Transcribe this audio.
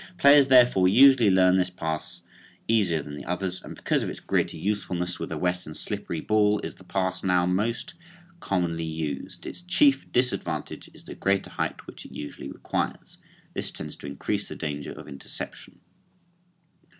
Players therefore usually learn this pass easier than the other, and because of its greater usefulness with a wet and slippery ball is the pass now most commonly used. Its chief disadvantage is the greater height which it usually requires. This tends to increase the danger of interception.